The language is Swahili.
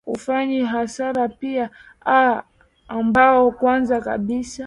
ufanyi hasara pia aa ambao kwanza kabisa